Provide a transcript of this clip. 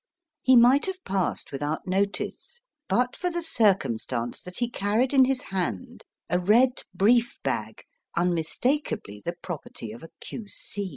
He might have passed without notice but for the circumstance that he carried in his hand a red brief bag unmistakably the property of a Q.C.